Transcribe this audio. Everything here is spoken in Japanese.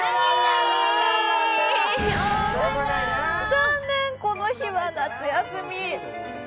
残念、この日は夏休み。